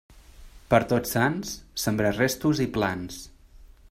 Per Tots Sants, sembrar restos i plans.